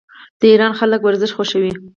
د ایران خلک ورزش خوښوي.